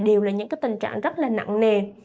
đều là những tình trạng rất nặng nề